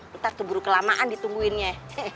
nanti keburu kelamaan ditungguinnya